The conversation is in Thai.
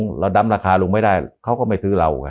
แล้วเราดำราคาลุงไม่ได้เขาก็ไปทื้อเรา